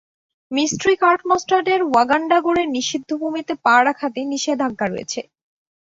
Mystic art মাস্টারদের ওয়ান্ডাগোরের নিষিদ্ধ ভূমিতে পা রাখাতে নিষেধাজ্ঞা রয়েছে।